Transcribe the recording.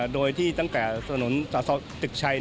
โดยที่ตั้งแต่สนุนตราศาสตร์ตึกชัย